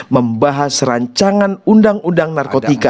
membahas rancangan undang undang narkotika